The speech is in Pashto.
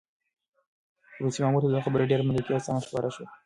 روسي مامور ته دا خبره ډېره منطقي او سمه ښکاره شوه.